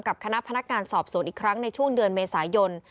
คณะพนักงานสอบสวนอีกครั้งในช่วงเดือนเมษายน